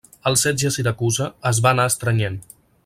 El setge a Siracusa es va anar estrenyent.